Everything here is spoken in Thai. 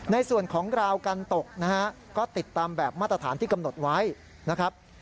เรื่องราวการตกนะฮะก็ติดตามแบบมาตรฐานที่กำหนดไว้นะครับ